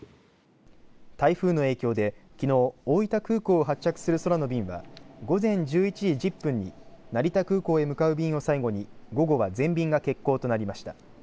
台風の影響できのう大分空港を発着する空の便は午前１１時１０分に成田空港へ向かう便を最後に午後は全便が欠航となりました。